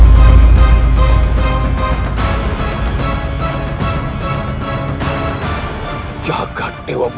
dia menjelaskan apa yang terjadi